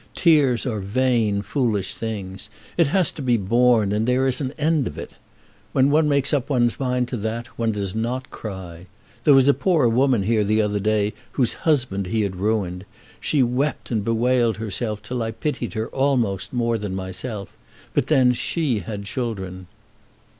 Tears are vain, foolish things. It has to be borne, and there is an end of it. When one makes up one's mind to that, one does not cry. There was a poor woman here the other day whose husband he had ruined. She wept and bewailed herself till I pitied her almost more than myself; but then she had children."